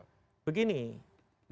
mereka juga mencari keadilan yang berbeda ya